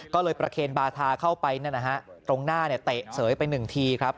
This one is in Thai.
ก็เลยประเคนบาธาเข้าไปตรงหน้าเตะเสยไปหนึ่งทีครับ